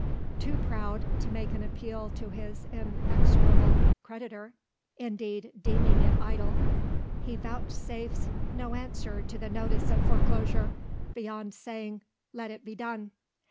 Too proud, to make appeal to his inexorable creditor indeed deeming it idle he vouchsafes no answer to the notice of foreclosure, beyond saying: "Let it be done."